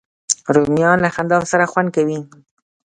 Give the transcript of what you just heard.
رومیان له خندا سره خوند کوي